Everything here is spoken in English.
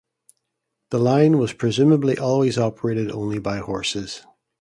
The line was presumably always operated only by horses.